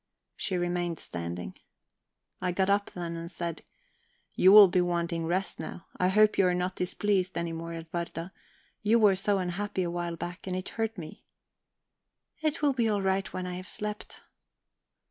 She remained standing. I got up then, and said: "You will be wanting rest now. I hope you are not displeased any more, Edwarda. You were so unhappy a while back, and it hurt me." "It will be all right when I have slept."